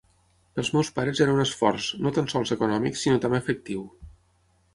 Pels meus pares era un esforç, no tan sols econòmic, sinó també afectiu.